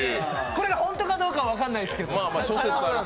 これが本当かどうか分からないですけど。